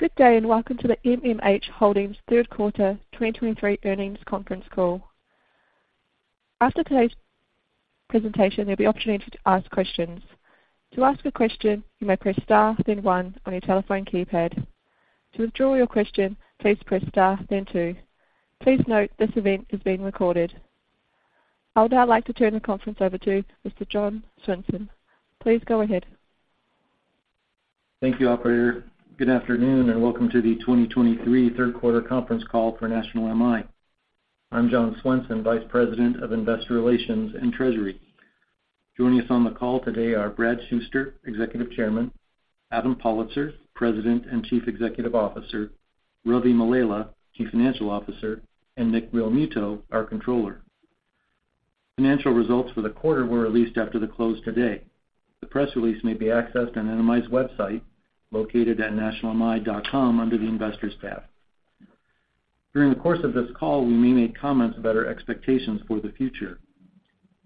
Good day, and welcome to the NMI Holdings third quarter 2023 earnings conference call. After today's presentation, there'll be opportunity to ask questions. To ask a question, you may press star, then one on your telephone keypad. To withdraw your question, please press star, then two. Please note, this event is being recorded. I would now like to turn the conference over to Mr. John Swenson. Please go ahead. Thank you, operator. Good afternoon, and welcome to the 2023 third quarter conference call for National MI. I'm John Swenson, Vice President of Investor Relations and Treasury. Joining us on the call today are Brad Shuster, Executive Chairman, Adam Pollitzer, President and Chief Executive Officer, Ravi Mallela, Chief Financial Officer, and Nick Relmuto, our Controller. Financial results for the quarter were released after the close today. The press release may be accessed on NMI's website, located at nationalmi.com, under the Investors tab. During the course of this call, we may make comments about our expectations for the future.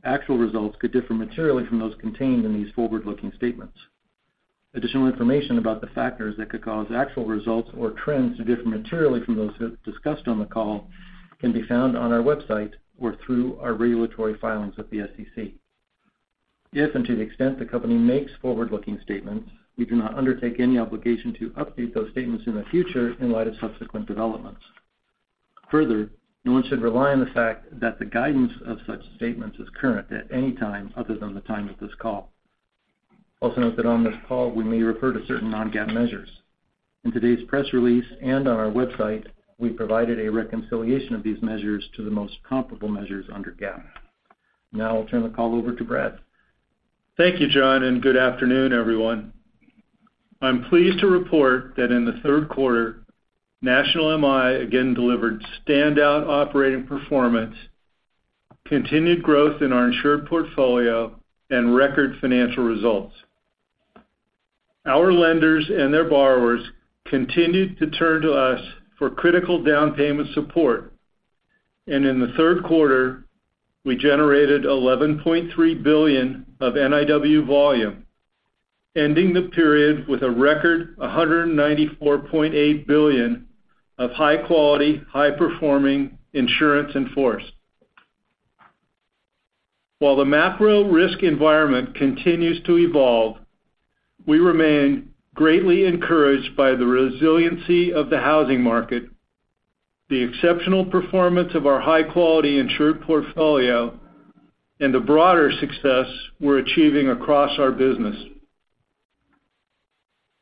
Actual results could differ materially from those contained in these forward-looking statements. Additional information about the factors that could cause actual results or trends to differ materially from those discussed on the call can be found on our website or through our regulatory filings with the SEC. If and to the extent the company makes forward-looking statements, we do not undertake any obligation to update those statements in the future in light of subsequent developments. Further, no one should rely on the fact that the guidance of such statements is current at any time other than the time of this call. Also note that on this call, we may refer to certain non-GAAP measures. In today's press release and on our website, we provided a reconciliation of these measures to the most comparable measures under GAAP. Now I'll turn the call over to Brad. Thank you, John, and good afternoon, everyone. I'm pleased to report that in the third quarter, National MI again delivered standout operating performance, continued growth in our insured portfolio, and record financial results. Our lenders and their borrowers continued to turn to us for critical down payment support, and in the third quarter, we generated $11.3 billion of NIW volume, ending the period with a record $194.8 billion of high-quality, high-performing insurance in force. While the macro risk environment continues to evolve, we remain greatly encouraged by the resiliency of the housing market, the exceptional performance of our high-quality insured portfolio, and the broader success we're achieving across our business.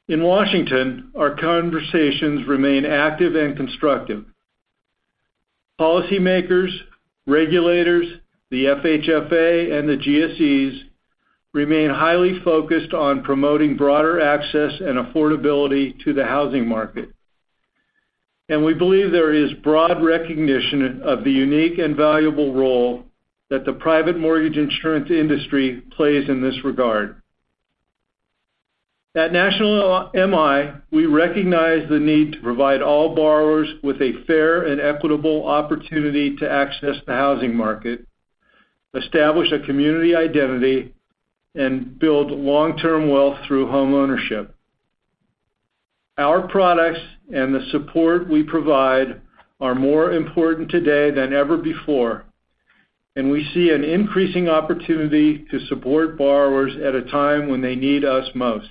In Washington, our conversations remain active and constructive. Policymakers, regulators, the FHFA, and the GSEs remain highly focused on promoting broader access and affordability to the housing market. We believe there is broad recognition of the unique and valuable role that the private mortgage insurance industry plays in this regard. At National MI, we recognize the need to provide all borrowers with a fair and equitable opportunity to access the housing market, establish a community identity, and build long-term wealth through homeownership. Our products and the support we provide are more important today than ever before, and we see an increasing opportunity to support borrowers at a time when they need us most.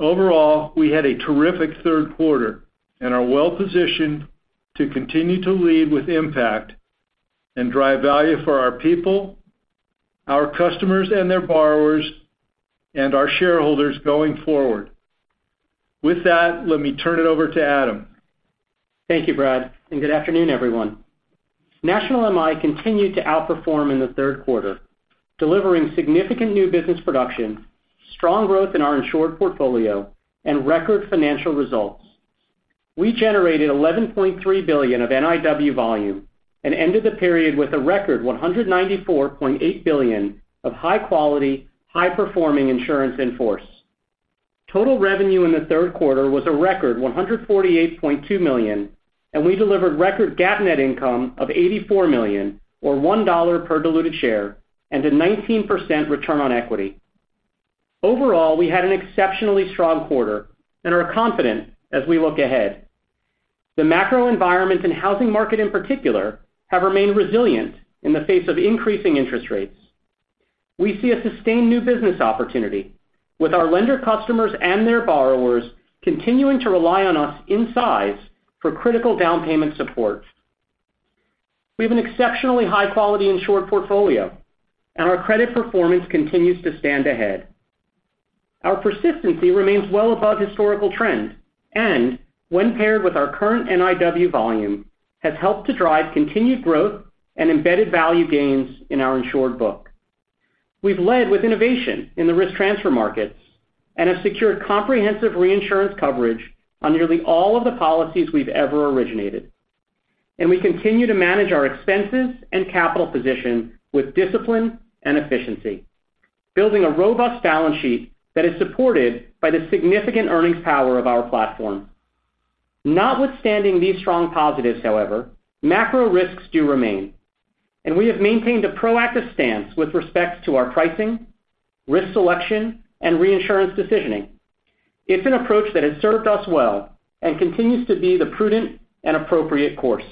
Overall, we had a terrific third quarter and are well-positioned to continue to lead with impact and drive value for our people, our customers and their borrowers, and our shareholders going forward. With that, let me turn it over to Adam. Thank you, Brad, and good afternoon, everyone. National MI continued to outperform in the third quarter, delivering significant new business production, strong growth in our insured portfolio, and record financial results. We generated $11.3 billion of NIW volume and ended the period with a record $194.8 billion of high quality, high-performing insurance in force. Total revenue in the third quarter was a record $148.2 million, and we delivered record GAAP net income of $84 million, or $1 per diluted share, and a 19% return on equity. Overall, we had an exceptionally strong quarter and are confident as we look ahead. The macro environment and housing market, in particular, have remained resilient in the face of increasing interest rates. We see a sustained new business opportunity with our lender, customers, and their borrowers continuing to rely on us in size for critical down payment support. We have an exceptionally high-quality insured portfolio, and our credit performance continues to stand ahead. Our persistency remains well above historical trends and when paired with our current NIW volume, has helped to drive continued growth and embedded value gains in our insured book. We've led with innovation in the risk transfer markets and have secured comprehensive reinsurance coverage on nearly all of the policies we've ever originated. And we continue to manage our expenses and capital position with discipline and efficiency, building a robust balance sheet that is supported by the significant earnings power of our platform... notwithstanding these strong positives, however, macro risks do remain, and we have maintained a proactive stance with respect to our pricing, risk selection, and reinsurance decisioning. It's an approach that has served us well and continues to be the prudent and appropriate course.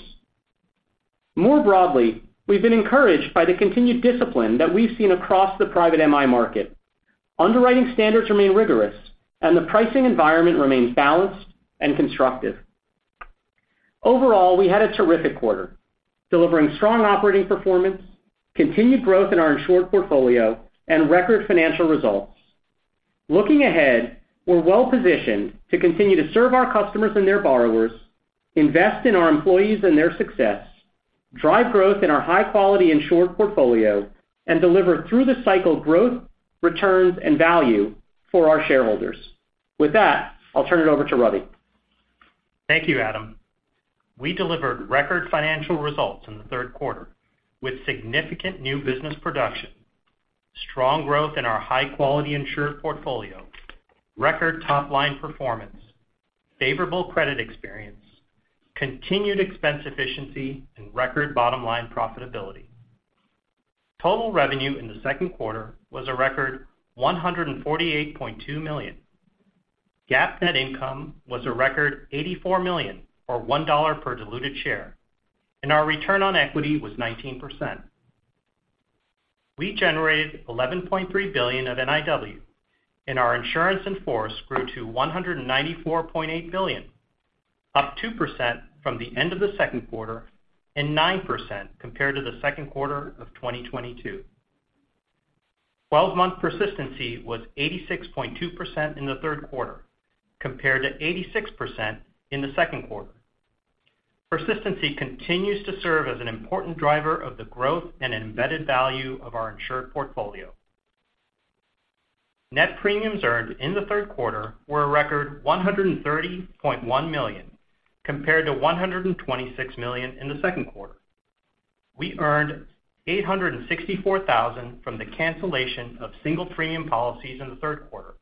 More broadly, we've been encouraged by the continued discipline that we've seen across the private MI market. Underwriting standards remain rigorous, and the pricing environment remains balanced and constructive. Overall, we had a terrific quarter, delivering strong operating performance, continued growth in our insured portfolio, and record financial results. Looking ahead, we're well-positioned to continue to serve our customers and their borrowers, invest in our employees and their success, drive growth in our high-quality insured portfolio, and deliver through the cycle growth, returns, and value for our shareholders. With that, I'll turn it over to Ravi. Thank you, Adam. We delivered record financial results in the third quarter, with significant new business production, strong growth in our high-quality insured portfolio, record top-line performance, favorable credit experience, continued expense efficiency, and record bottom-line profitability. Total revenue in the second quarter was a record $148.2 million. GAAP net income was a record $84 million, or $1 per diluted share, and our return on equity was 19%. We generated $11.3 billion of NIW, and our insurance in force grew to $194.8 billion, up 2% from the end of the second quarter and 9% compared to the second quarter of 2022. 12-month persistency was 86.2% in the third quarter, compared to 86% in the second quarter. Persistency continues to serve as an important driver of the growth and embedded value of our insured portfolio. Net premiums earned in the third quarter were a record $130.1 million, compared to $126 million in the second quarter. We earned $864,000 from the cancellation of single premium policies in the third quarter,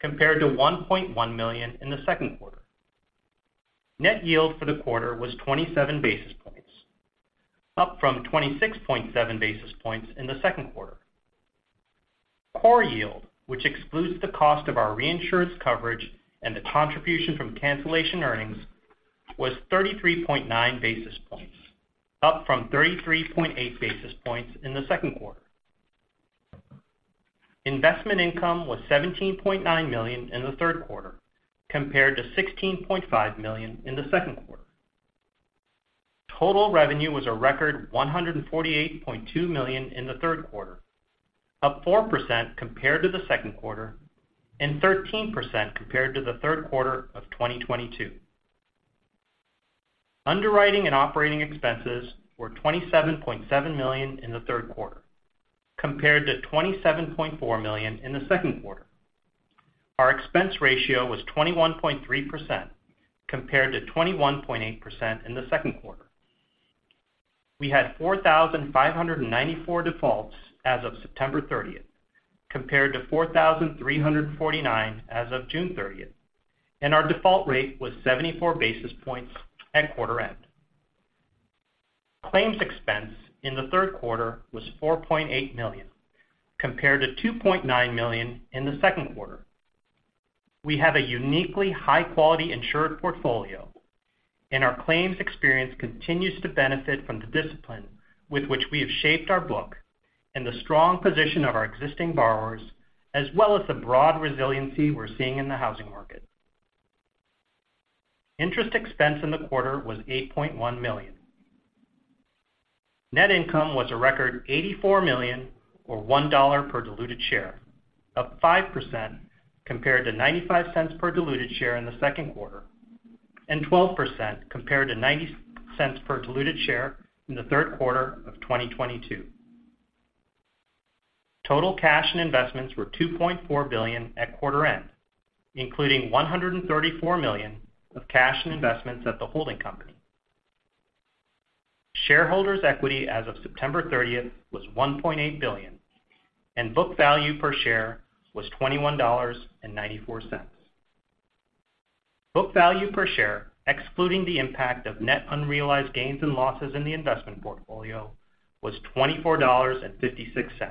compared to $1.1 million in the second quarter. Net yield for the quarter was 27 basis points, up from 26.7 basis points in the second quarter. Core yield, which excludes the cost of our reinsurance coverage and the contribution from cancellation earnings, was 33.9 basis points, up from 33.8 basis points in the second quarter. Investment income was $17.9 million in the third quarter, compared to $16.5 million in the second quarter. Total revenue was a record $148.2 million in the third quarter, up 4% compared to the second quarter and 13% compared to the third quarter of 2022. Underwriting and operating expenses were $27.7 million in the third quarter, compared to $27.4 million in the second quarter. Our expense ratio was 21.3%, compared to 21.8% in the second quarter. We had 4,594 defaults as of September 30th, compared to 4,349 as of June 30th, and our default rate was 74 basis points at quarter end. Claims expense in the third quarter was $4.8 million, compared to $2.9 million in the second quarter. We have a uniquely high-quality insured portfolio, and our claims experience continues to benefit from the discipline with which we have shaped our book and the strong position of our existing borrowers, as well as the broad resiliency we're seeing in the housing market. Interest expense in the quarter was $8.1 million. Net income was a record $84 million, or $1 per diluted share, up 5% compared to $0.95 per diluted share in the second quarter, and 12% compared to $0.90 per diluted share in the third quarter of 2022. Total cash and investments were $2.4 billion at quarter end, including $134 million of cash and investments at the holding company. Shareholders' equity as of September 30th was $1.8 billion, and book value per share was $21.94. Book value per share, excluding the impact of net unrealized gains and losses in the investment portfolio, was $24.56,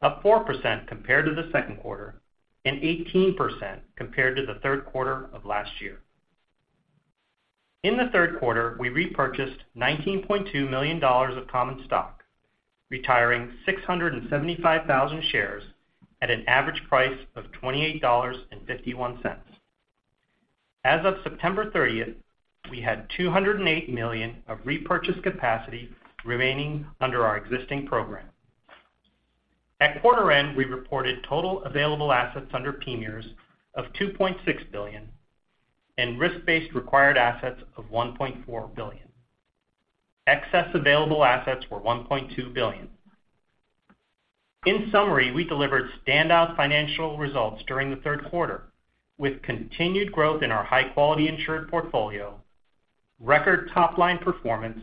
up 4% compared to the second quarter and 18% compared to the third quarter of last year. In the third quarter, we repurchased $19.2 million of common stock, retiring 675,000 shares at an average price of $28.51. As of September 30th, we had $208 million of repurchase capacity remaining under our existing program. At quarter end, we reported total available assets under PMIERs of $2.6 billion and risk-based required assets of $1.4 billion. Excess available assets were $1.2 billion. In summary, we delivered standout financial results during the third quarter, with continued growth in our high-quality insured portfolio.... Record top-line performance,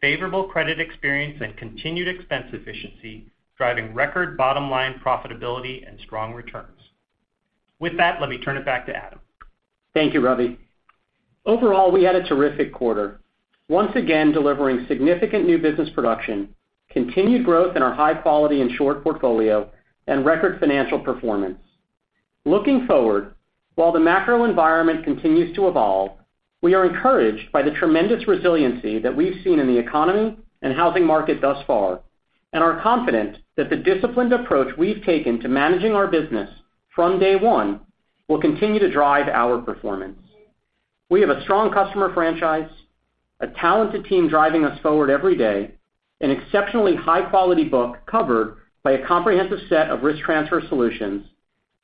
favorable credit experience, and continued expense efficiency, driving record bottom line profitability and strong returns. With that, let me turn it back to Adam. Thank you, Ravi. Overall, we had a terrific quarter. Once again, delivering significant new business production, continued growth in our high quality and short portfolio, and record financial performance. Looking forward, while the macro environment continues to evolve, we are encouraged by the tremendous resiliency that we've seen in the economy and housing market thus far, and are confident that the disciplined approach we've taken to managing our business from day one will continue to drive our performance. We have a strong customer franchise, a talented team driving us forward every day, an exceptionally high-quality book covered by a comprehensive set of risk transfer solutions,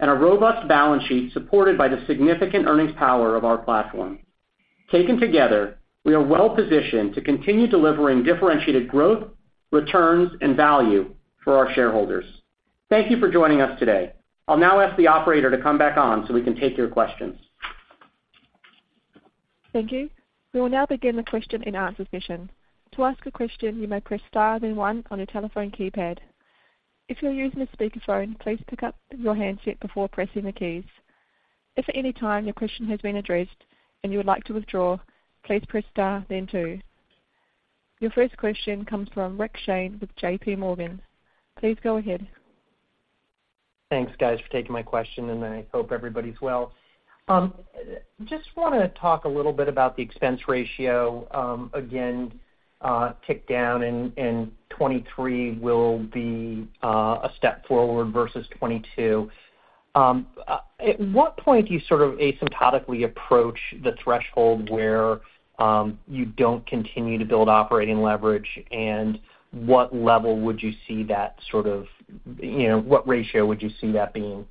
and a robust balance sheet supported by the significant earnings power of our platform. Taken together, we are well-positioned to continue delivering differentiated growth, returns, and value for our shareholders. Thank you for joining us today. I'll now ask the operator to come back on so we can take your questions. Thank you. We will now begin the question-and-answer session. To ask a question, you may press star then one on your telephone keypad. If you're using a speakerphone, please pick up your handset before pressing the keys. If at any time your question has been addressed and you would like to withdraw, please press star then two. Your first question comes from Rick Shane with JPMorgan. Please go ahead. Thanks, guys, for taking my question, and I hope everybody's well. Just want to talk a little bit about the expense ratio, again, ticked down, and 2023 will be a step forward versus 2022. At what point do you sort of asymptotically approach the threshold where you don't continue to build operating leverage? And what level would you see that sort of- you know, what ratio would you see that being?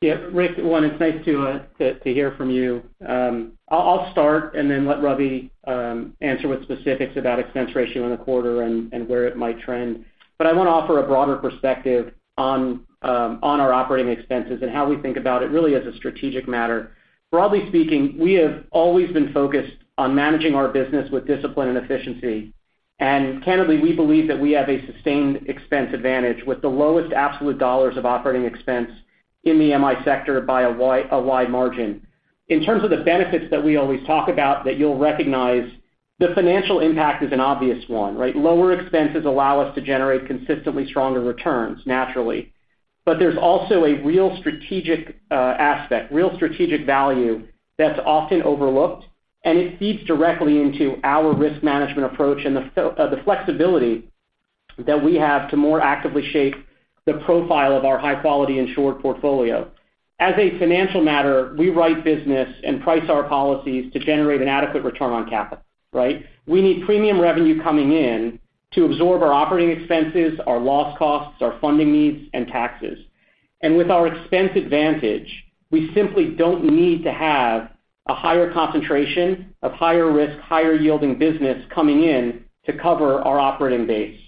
Yeah, Rick, it's nice to hear from you. I'll start and then let Ravi answer with specifics about expense ratio in the quarter and where it might trend. But I want to offer a broader perspective on our operating expenses and how we think about it, really, as a strategic matter. Broadly speaking, we have always been focused on managing our business with discipline and efficiency. And candidly, we believe that we have a sustained expense advantage with the lowest absolute dollars of operating expense in the MI sector by a wide margin. In terms of the benefits that we always talk about, that you'll recognize, the financial impact is an obvious one, right? Lower expenses allow us to generate consistently stronger returns, naturally. But there's also a real strategic aspect, real strategic value that's often overlooked, and it feeds directly into our risk management approach and the flexibility that we have to more actively shape the profile of our high-quality insured portfolio. As a financial matter, we write business and price our policies to generate an adequate return on capital, right? We need premium revenue coming in to absorb our operating expenses, our loss costs, our funding needs, and taxes. And with our expense advantage, we simply don't need to have a higher concentration of higher risk, higher yielding business coming in to cover our operating base.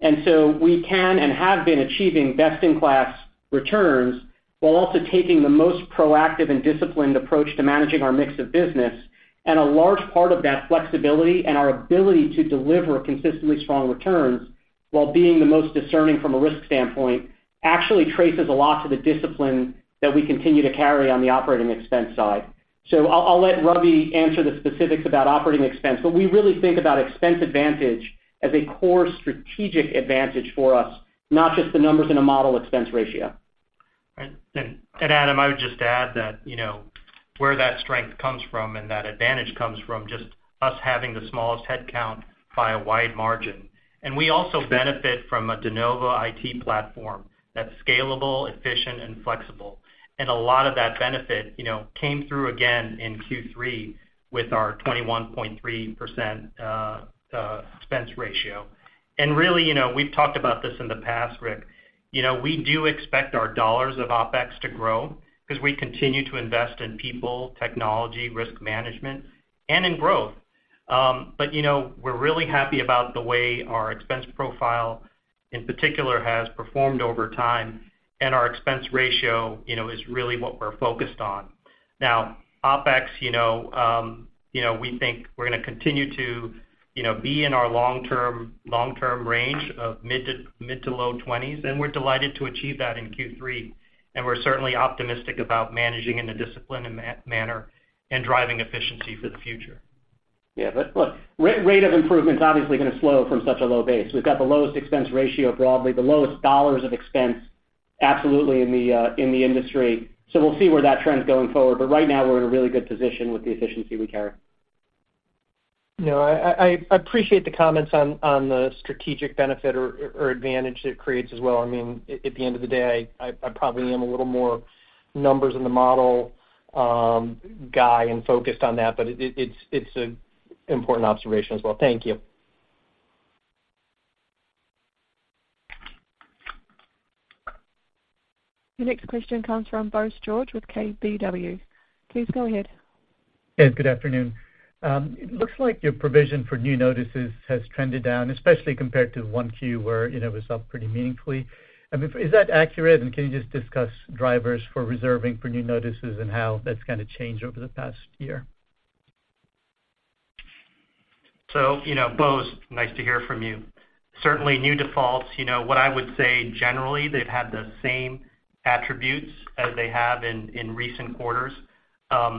And so we can and have been achieving best-in-class returns while also taking the most proactive and disciplined approach to managing our mix of business. A large part of that flexibility and our ability to deliver consistently strong returns while being the most discerning from a risk standpoint, actually traces a lot to the discipline that we continue to carry on the operating expense side. So I'll, I'll let Ravi answer the specifics about operating expense, but we really think about expense advantage as a core strategic advantage for us, not just the numbers in a model expense ratio. Right. And Adam, I would just add that, you know, where that strength comes from and that advantage comes from just us having the smallest headcount by a wide margin. And we also benefit from a de novo IT platform that's scalable, efficient, and flexible. And a lot of that benefit, you know, came through again in Q3 with our 21.3% expense ratio. And really, you know, we've talked about this in the past, Rick, you know, we do expect our dollars of OpEx to grow because we continue to invest in people, technology, risk management, and in growth. But, you know, we're really happy about the way our expense profile, in particular, has performed over time, and our expense ratio, you know, is really what we're focused on. Now, OpEx, you know, you know, we think we're going to continue to, you know, be in our long-term, long-term range of mid- to low 20s, and we're delighted to achieve that in Q3. We're certainly optimistic about managing in a disciplined manner and driving efficiency for the future. Yeah, but look, rate of improvement is obviously going to slow from such a low base. We've got the lowest expense ratio broadly, the lowest dollars of expense, absolutely, in the industry. So we'll see where that trend is going forward. But right now, we're in a really good position with the efficiency we carry. No, I appreciate the comments on the strategic benefit or advantage it creates as well. I mean, at the end of the day, I probably am a little more numbers in the model, guy and focused on that, but it's an important observation as well. Thank you. Your next question comes from Bose George, with KBW. Please go ahead. Yeah, good afternoon. It looks like your provision for new notices has trended down, especially compared to 1Q, where, you know, it was up pretty meaningfully. I mean, is that accurate? And can you just discuss drivers for reserving for new notices and how that's kind of changed over the past year? So, you know, Bose, nice to hear from you. Certainly new defaults, you know, what I would say generally, they've had the same attributes as they have in recent quarters.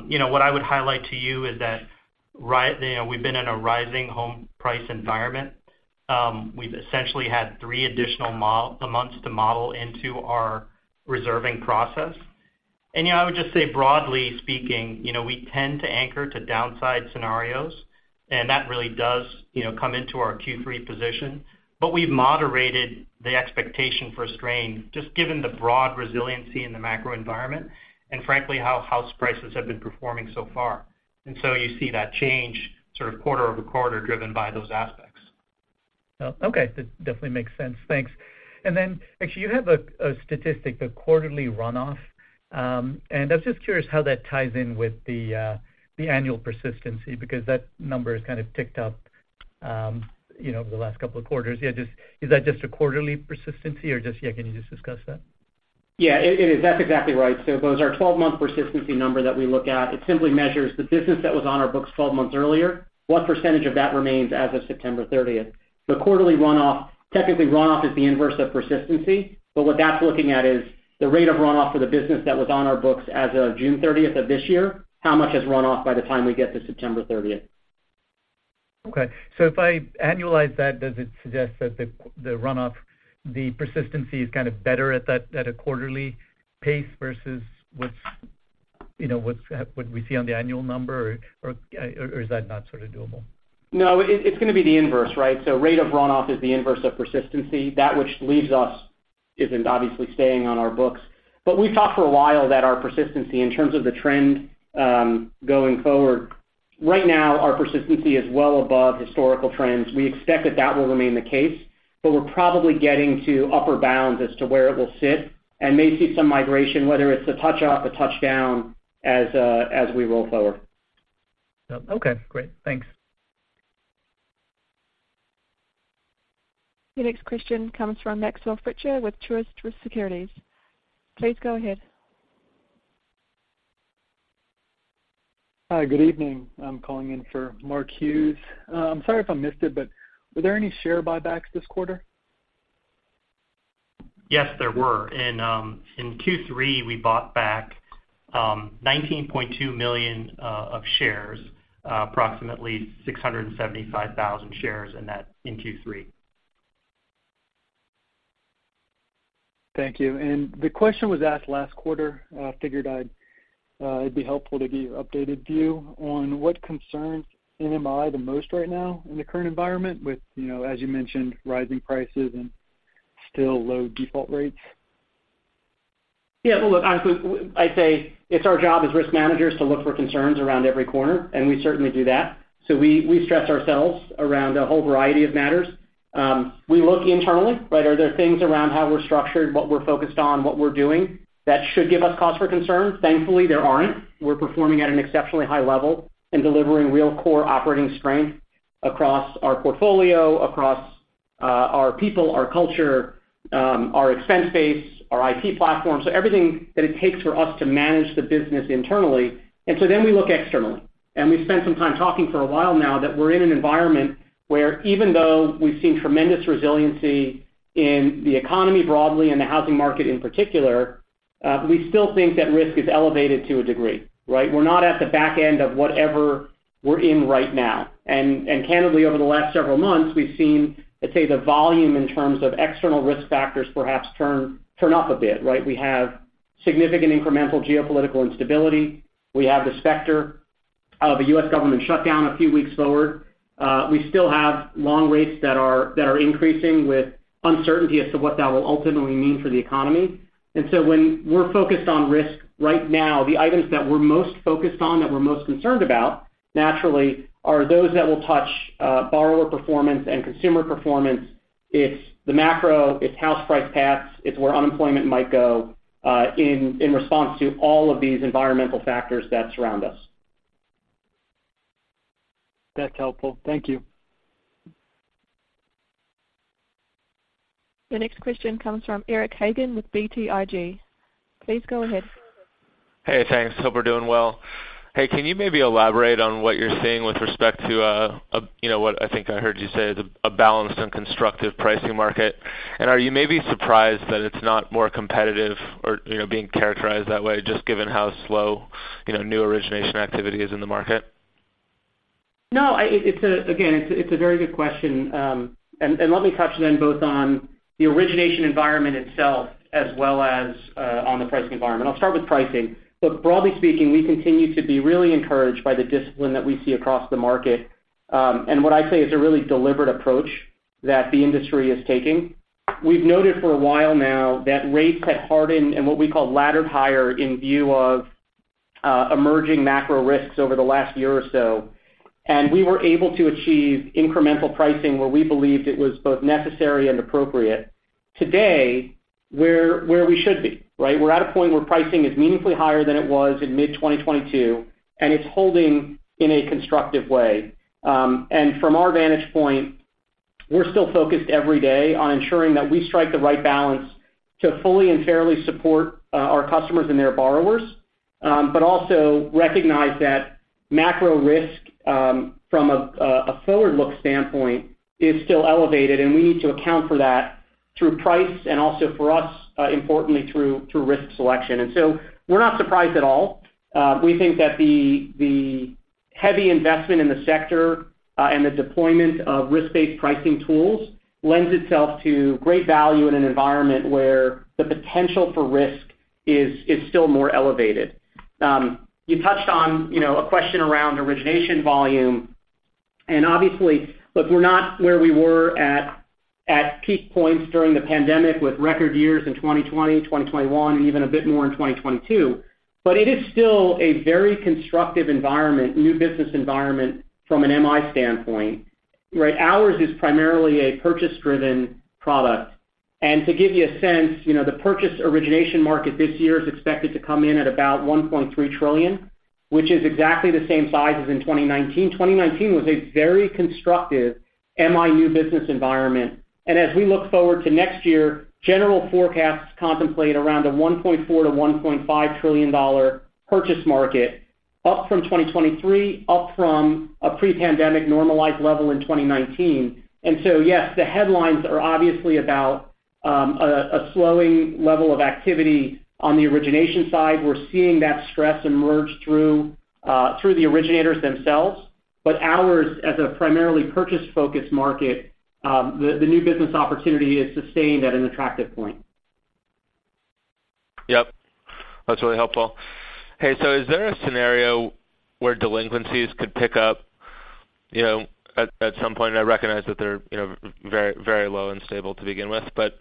You know, what I would highlight to you is that, right, we've been in a rising home price environment. We've essentially had three additional months to model into our reserving process. And, you know, I would just say, broadly speaking, you know, we tend to anchor to downside scenarios, and that really does, you know, come into our Q3 position. But we've moderated the expectation for strain, just given the broad resiliency in the macro environment and frankly, how house prices have been performing so far. And so you see that change sort of quarter-over-quarter, driven by those aspects. Oh, okay. That definitely makes sense. Thanks. And then actually, you have a statistic, a quarterly runoff. And I was just curious how that ties in with the annual persistency, because that number has kind of ticked up, you know, over the last couple of quarters. Yeah, is that just a quarterly persistency or just, yeah, can you just discuss that? Yeah, it is. That's exactly right. So those are 12-month persistency numbers that we look at. It simply measures the business that was on our books 12 months earlier, what percentage of that remains as of September 30th? The quarterly runoff, technically, runoff is the inverse of persistency, but what that's looking at is the rate of runoff for the business that was on our books as of June 30th of this year, how much has run off by the time we get to September 30th? Okay, so if I annualize that, does it suggest that the, the runoff, the persistency is kind of better at that, at a quarterly pace versus what's, you know, what's, what we see on the annual number, or, or, or is that not sort of doable? No, it's going to be the inverse, right? So rate of runoff is the inverse of persistency. That which leaves us isn't obviously staying on our books. But we've talked for a while that our persistency, in terms of the trend, going forward, right now, our persistency is well above historical trends. We expect that that will remain the case, but we're probably getting to upper bounds as to where it will sit and may see some migration, whether it's a touch up, a touch down, as we roll forward. Okay, great. Thanks. Your next question comes from Maxwell Fritscher with Truist Securities. Please go ahead. Hi, good evening. I'm calling in for Mark Hughes. I'm sorry if I missed it, but were there any share buybacks this quarter? Yes, there were. In Q3, we bought back $19.2 million of shares, approximately 675,000 shares in Q3. Thank you. And the question was asked last quarter. I figured I'd, it'd be helpful to give you an updated view on what concerns NMI the most right now in the current environment with, you know, as you mentioned, rising prices and still low default rates? Yeah, well, look, I, I'd say it's our job as risk managers to look for concerns around every corner, and we certainly do that. So we stress ourselves around a whole variety of matters. We look internally, right? Are there things around how we're structured, what we're focused on, what we're doing that should give us cause for concern? Thankfully, there aren't. We're performing at an exceptionally high level and delivering real core operating strength across our portfolio, across our people, our culture, our expense base, our IT platform. So everything that it takes for us to manage the business internally. And so then we look externally, and we've spent some time talking for a while now, that we're in an environment where even though we've seen tremendous resiliency in the economy broadly, and the housing market in particular, we still think that risk is elevated to a degree, right? We're not at the back end of whatever we're in right now. And, and candidly, over the last several months, we've seen, let's say, the volume in terms of external risk factors, perhaps turn up a bit, right? We have significant incremental geopolitical instability. We have the specter of a U.S. government shutdown a few weeks forward. We still have long rates that are increasing with uncertainty as to what that will ultimately mean for the economy. When we're focused on risk right now, the items that we're most focused on, that we're most concerned about, naturally, are those that will touch borrower performance and consumer performance. It's the macro, it's house price paths, it's where unemployment might go in response to all of these environmental factors that surround us. That's helpful. Thank you. The next question comes from Eric Hagen with BTIG. Please go ahead. Hey, thanks. Hope we're doing well. Hey, can you maybe elaborate on what you're seeing with respect to, you know what I think I heard you say, a balanced and constructive pricing market. Are you maybe surprised that it's not more competitive or, you know, being characterized that way, just given how slow, you know, new origination activity is in the market? No, it's a, again, it's a very good question. And let me touch then both on the origination environment itself as well as, on the pricing environment. I'll start with pricing. Look, broadly speaking, we continue to be really encouraged by the discipline that we see across the market, and what I'd say is a really deliberate approach that the industry is taking. We've noted for a while now that rates had hardened and what we call laddered higher in view of, emerging macro risks over the last year or so. And we were able to achieve incremental pricing where we believed it was both necessary and appropriate. Today, we're where we should be, right? We're at a point where pricing is meaningfully higher than it was in mid-2022, and it's holding in a constructive way. From our vantage point, we're still focused every day on ensuring that we strike the right balance to fully and fairly support our customers and their borrowers, but also recognize that macro risk from a forward-look standpoint is still elevated, and we need to account for that through price and also for us, importantly, through risk selection. And so we're not surprised at all. We think that the heavy investment in the sector and the deployment of risk-based pricing tools lends itself to great value in an environment where the potential for risk is still more elevated. You touched on, you know, a question around origination volume, and obviously, look, we're not where we were at, at peak points during the pandemic, with record years in 2020, 2021, and even a bit more in 2022. But it is still a very constructive environment, new business environment from an MI standpoint, right? Ours is primarily a purchase-driven product. And to give you a sense, you know, the purchase origination market this year is expected to come in at about $1.3 trillion, which is exactly the same size as in 2019. 2019 was a very constructive MI new business environment. And as we look forward to next year, general forecasts contemplate around a $1.4 trillion-$1.5 trillion purchase market, up from 2023, up from a pre-pandemic normalized level in 2019. And so, yes, the headlines are obviously about a slowing level of activity on the origination side. We're seeing that stress emerge through the originators themselves. But ours, as a primarily purchase-focused market, the new business opportunity is sustained at an attractive point. Yep, that's really helpful. Hey, so is there a scenario where delinquencies could pick up, you know, at some point? I recognize that they're, you know, very, very low and stable to begin with. But,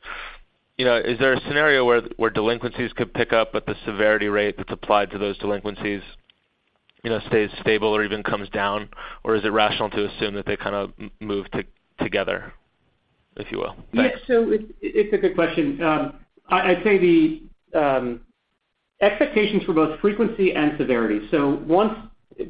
you know, is there a scenario where delinquencies could pick up, but the severity rate that's applied to those delinquencies, you know, stays stable or even comes down? Or is it rational to assume that they kind of move together, if you will? Thanks. Yeah. So it's a good question. I'd say the expectations for both frequency and severity. So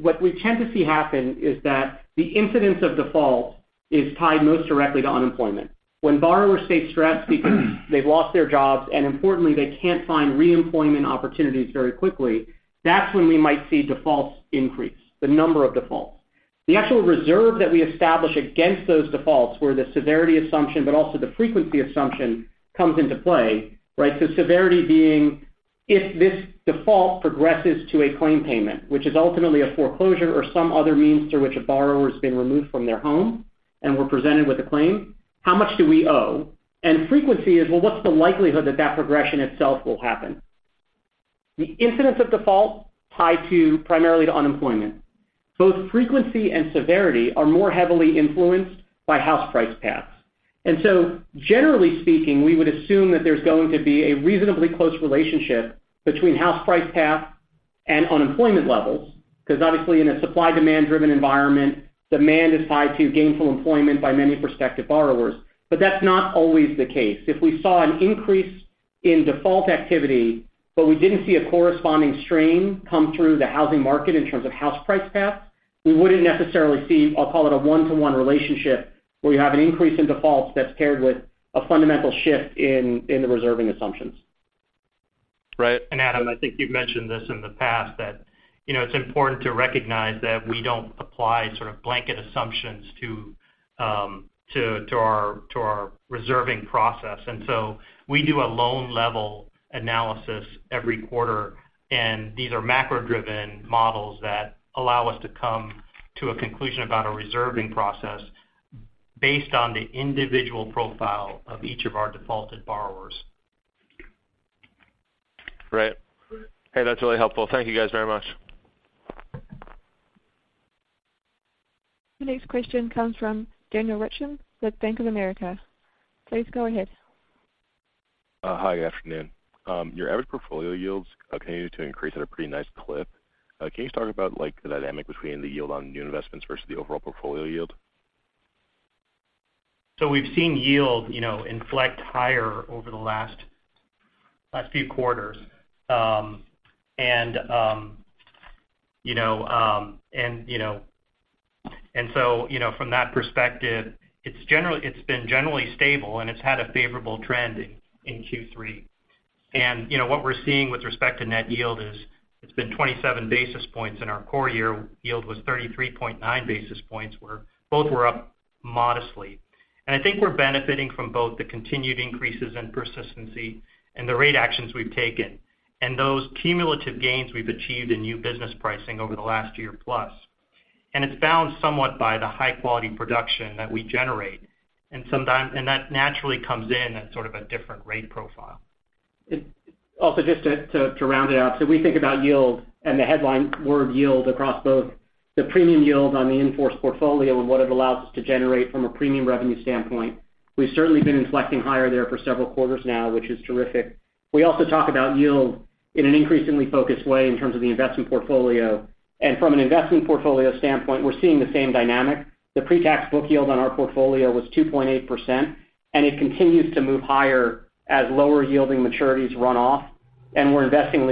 what we tend to see happen is that the incidence of default is tied most directly to unemployment. When borrowers face stress because they've lost their jobs, and importantly, they can't find reemployment opportunities very quickly, that's when we might see defaults increase, the number of defaults. The actual reserve that we establish against those defaults, where the severity assumption, but also the frequency assumption, comes into play, right? So severity being, if this default progresses to a claim payment, which is ultimately a foreclosure or some other means through which a borrower has been removed from their home and we're presented with a claim, how much do we owe? And frequency is, well, what's the likelihood that that progression itself will happen? The incidence of default ties primarily to unemployment. Both frequency and severity are more heavily influenced by house price paths. And so, generally speaking, we would assume that there's going to be a reasonably close relationship between house price path and unemployment levels, 'cause obviously, in a supply-demand-driven environment, demand is tied to gainful employment by many prospective borrowers. But that's not always the case. If we saw an increase in default activity, but we didn't see a corresponding strain come through the housing market in terms of house price paths, we wouldn't necessarily see, I'll call it, a one-to-one relationship, where you have an increase in defaults that's paired with a fundamental shift in the reserving assumptions. Right. And Adam, I think you've mentioned this in the past, that, you know, it's important to recognize that we don't apply sort of blanket assumptions to our reserving process. And so we do a loan-level analysis every quarter, and these are macro-driven models that allow us to come to a conclusion about a reserving process based on the individual profile of each of our defaulted borrowers. Right. Hey, that's really helpful. Thank you, guys, very much. The next question comes from Daniel Rich with Bank of America. Please go ahead. Hi, good afternoon. Your average portfolio yields continued to increase at a pretty nice clip. Can you talk about, like, the dynamic between the yield on new investments versus the overall portfolio yield? So we've seen yield, you know, inflect higher over the last few quarters. And so, you know, from that perspective, it's generally—it's been generally stable, and it's had a favorable trend in Q3. And, you know, what we're seeing with respect to net yield is, it's been 27 basis points, and our core year yield was 33.9 basis points, where both were up modestly. And I think we're benefiting from both the continued increases in persistency and the rate actions we've taken, and those cumulative gains we've achieved in new business pricing over the last year-plus. And it's balanced somewhat by the high-quality production that we generate, and sometimes—and that naturally comes in at sort of a different rate profile. Also, just to round it out. So we think about yield and the headline word yield across both the premium yield on the in-force portfolio and what it allows us to generate from a premium revenue standpoint. We've certainly been inflecting higher there for several quarters now, which is terrific. We also talk about yield in an increasingly focused way in terms of the investment portfolio... And from an investment portfolio standpoint, we're seeing the same dynamic. The pre-tax book yield on our portfolio was 2.8%, and it continues to move higher as lower yielding maturities run off, and we're investing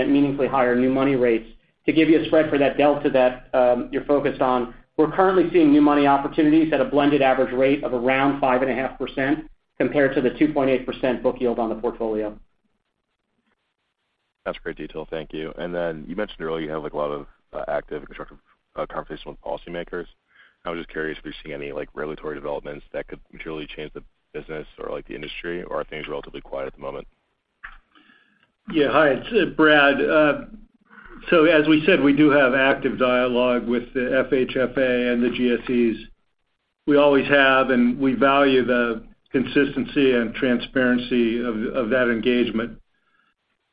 at meaningfully higher new money rates. To give you a spread for that delta that you're focused on, we're currently seeing new money opportunities at a blended average rate of around 5.5%, compared to the 2.8% book yield on the portfolio. That's great detail. Thank you. And then you mentioned earlier, you have, like, a lot of active and constructive conversations with policymakers. I was just curious if you're seeing any, like, regulatory developments that could materially change the business or, like, the industry, or are things relatively quiet at the moment? Yeah. Hi, it's Brad. So as we said, we do have active dialogue with the FHFA and the GSEs. We always have, and we value the consistency and transparency of that engagement.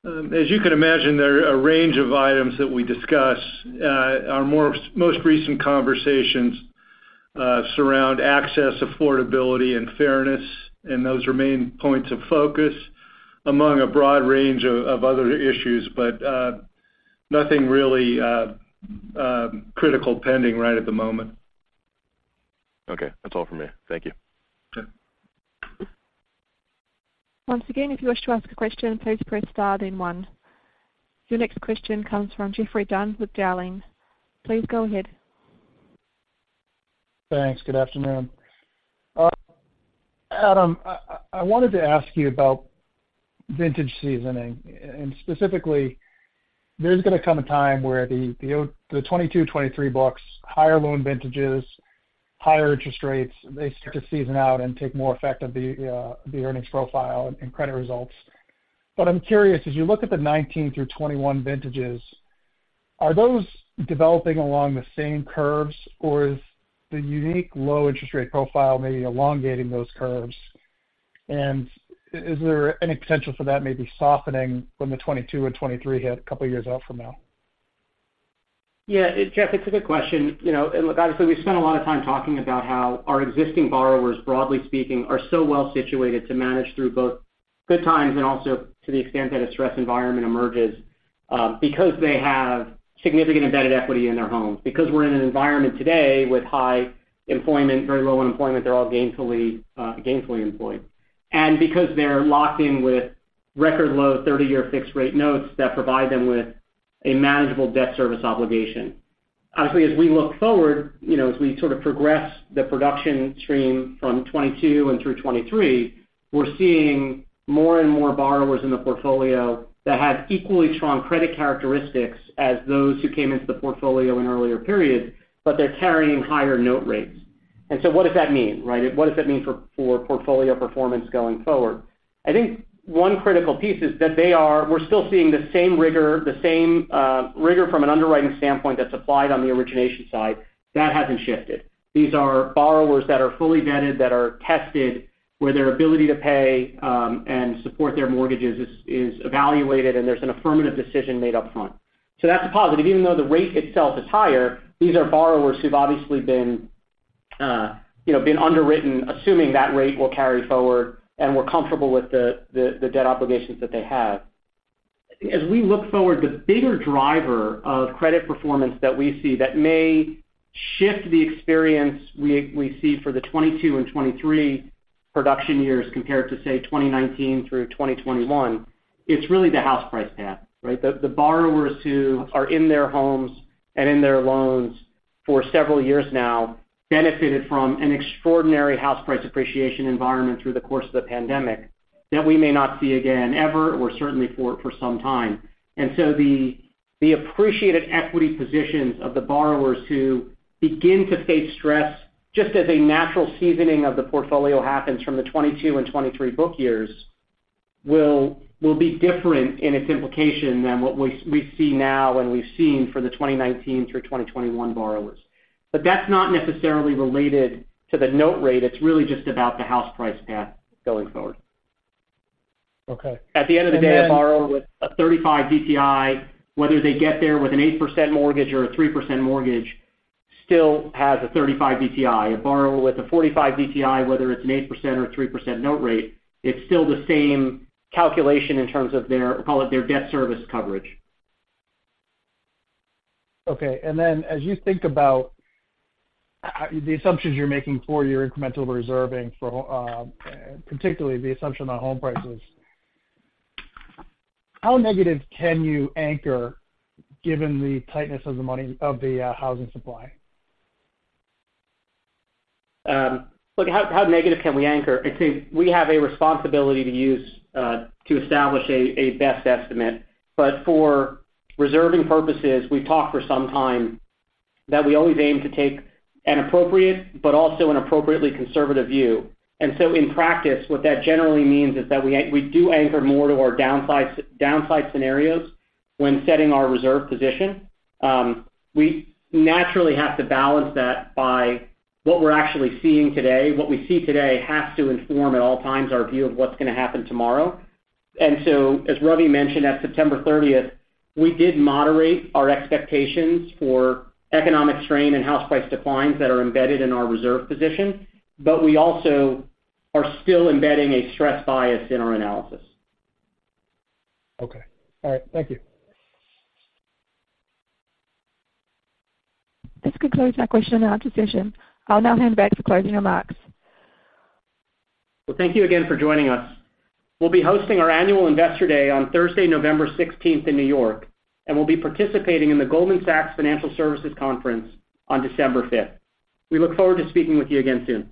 As you can imagine, there are a range of items that we discuss. Our most recent conversations surround access, affordability, and fairness, and those remain points of focus among a broad range of other issues, but nothing really critical pending right at the moment. Okay. That's all for me. Thank you. Sure. Once again, if you wish to ask a question, please press star then one. Your next question comes from Geoffrey Dunn with Dowling. Please go ahead. Thanks. Good afternoon. Adam, I wanted to ask you about vintage seasoning, and specifically, there's gonna come a time where the 2022, 2023 books, higher loan vintages, higher interest rates, they start to season out and take more effect of the earnings profile and credit results. But I'm curious, as you look at the 2019 through 2021 vintages, are those developing along the same curves, or is the unique low interest rate profile maybe elongating those curves? And is there any potential for that may be softening when the 2022 and 2023 hit a couple of years out from now? Yeah, Geoff, it's a good question. You know, and look, obviously, we've spent a lot of time talking about how our existing borrowers, broadly speaking, are so well situated to manage through both good times and also to the extent that a stress environment emerges, because they have significant embedded equity in their homes. Because we're in an environment today with high employment, very low unemployment, they're all gainfully employed. And because they're locked in with record low 30-year fixed rate notes that provide them with a manageable debt service obligation. Obviously, as we look forward, you know, as we sort of progress the production stream from 2022 and through 2023, we're seeing more and more borrowers in the portfolio that have equally strong credit characteristics as those who came into the portfolio in earlier periods, but they're carrying higher note rates. And so what does that mean, right? What does that mean for portfolio performance going forward? I think one critical piece is that they are—we're still seeing the same rigor, the same rigor from an underwriting standpoint that's applied on the origination side. That hasn't shifted. These are borrowers that are fully vetted, that are tested, where their ability to pay and support their mortgages is evaluated, and there's an affirmative decision made upfront. So that's a positive. Even though the rate itself is higher, these are borrowers who've obviously been, you know, been underwritten, assuming that rate will carry forward, and we're comfortable with the debt obligations that they have. As we look forward, the bigger driver of credit performance that we see that may shift the experience we see for the 2022 and 2023 production years compared to, say, 2019 through 2021, it's really the house price path, right? The borrowers who are in their homes and in their loans for several years now benefited from an extraordinary house price appreciation environment through the course of the pandemic that we may not see again, ever, or certainly for some time. And so the appreciated equity positions of the borrowers who begin to face stress just as a natural seasoning of the portfolio happens from the 2022 and 2023 book years, will be different in its implication than what we see now and we've seen for the 2019 through 2021 borrowers. But that's not necessarily related to the note rate. It's really just about the house price path going forward. Okay, and then- At the end of the day, a borrower with a 35 DTI, whether they get there with an 8% mortgage or a 3% mortgage, still has a 35 DTI. A borrower with a 45 DTI, whether it's an 8% or 3% note rate, it's still the same calculation in terms of their, call it, their debt service coverage. Okay. And then as you think about how the assumptions you're making for your incremental reserving for, particularly the assumption on home prices, how negative can you anchor given the tightness of the money of the housing supply? Look, how, how negative can we anchor? I think we have a responsibility to use to establish a best estimate. But for reserving purposes, we've talked for some time that we always aim to take an appropriate but also an appropriately conservative view. And so in practice, what that generally means is that we do anchor more to our downside, downside scenarios when setting our reserve position. We naturally have to balance that by what we're actually seeing today. What we see today has to inform at all times our view of what's going to happen tomorrow. And so, as Ravi mentioned, at September 30th, we did moderate our expectations for economic strain and house price declines that are embedded in our reserve position, but we also are still embedding a stress bias in our analysis. Okay. All right. Thank you. This concludes our question and our decision. I'll now hand back to the closing remarks. Well, thank you again for joining us. We'll be hosting our Annual Investor Day on Thursday, November 16th, in New York, and we'll be participating in the Goldman Sachs Financial Services Conference on December 5th. We look forward to speaking with you again soon.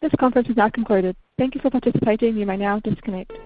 This conference is now concluded. Thank you for participating. You may now disconnect.